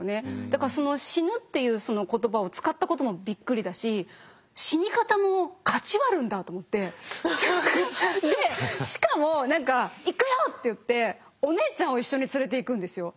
だからその死ぬっていう言葉を使ったこともびっくりだし死に方もかち割るんだと思ってでしかも何か「行くよ！」って言ってお姉ちゃんを一緒に連れていくんですよ。